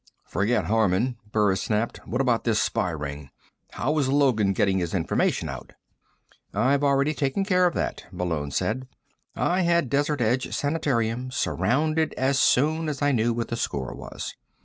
"Forget Harman," Burris snapped. "What about this spy ring? How was Logan getting his information out?" "I've already taken care of that," Malone said. "I had Desert Edge Sanitarium surrounded as soon as I knew what the score was."